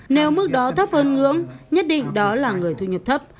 nếu mức đó thấp hơn ngưỡng nhất định đó là người thu nhập thấp